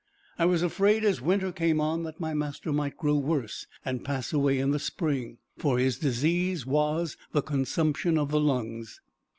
I was afraid as winter came on that my master might grow worse and pass away in the spring for his disease was the consumption of the lungs.